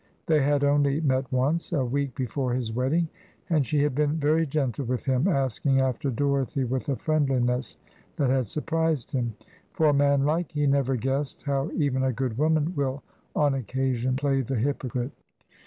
They had only met once, a week before his wedding, and she had been very gentle with him, asking after Dorothy with a friendliness that had surprised him; for, manlike, he never guessed how even a good woman will on occasion play the hypocrite.